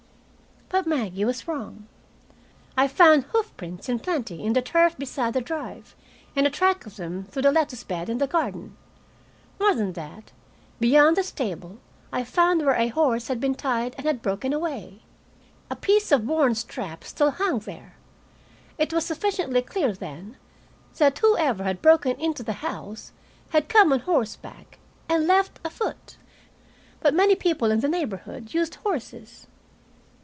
But Maggie was wrong. I found hoof prints in plenty in the turf beside the drive, and a track of them through the lettuce bed in the garden. More than that, behind the stable I found where a horse had been tied and had broken away. A piece of worn strap still hung there. It was sufficiently clear, then, that whoever had broken into the house had come on horseback and left afoot. But many people in the neighborhood used horses.